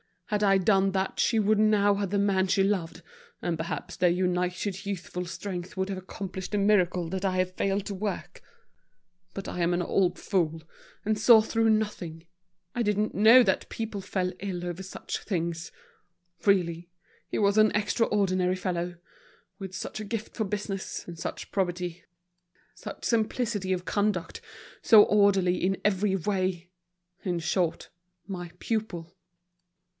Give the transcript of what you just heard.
Had I done that she would now have the man she loved, and perhaps their united youthful strength would have accomplished the miracle that I have failed to work. But I am an old fool, and saw through nothing; I didn't know that people fell ill over such things. Really he was an extraordinary fellow: with such a gift for business, and such probity, such simplicity of conduct, so orderly in every way—in short, my pupil."